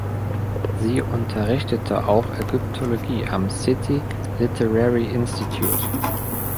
Sie unterrichtete auch Ägyptologie am City Literary Institute.